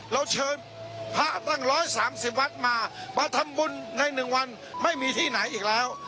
เราเชิญพระตั้ง๑๓๐วัดมามาทำบุญใน๑วันไม่มีที่ไหนอีกแล้ว